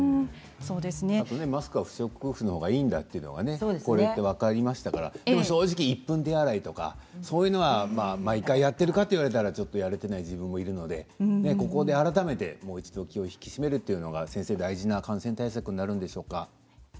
マスクは不織布のほうがいいんだっていうことが分かりましたからでも正直、１分手洗いとかそういうのを毎回やっているかと言われたらやっていない自分もいるのでここで改めて身を引き締めるっていうのが大事な感染対策になるんでしょうか。